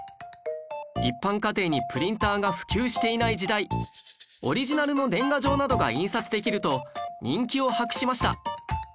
一般家庭にプリンターが普及していない時代オリジナルの年賀状などが印刷できると人気を博しました